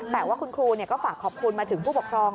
แต่ว่าคุณครูก็ฝากขอบคุณมาถึงผู้ปกครอง